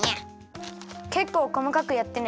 けっこうこまかくやってね。